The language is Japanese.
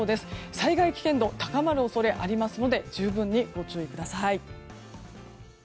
災害危険度が高まる恐れがありますので十分にご注意ください。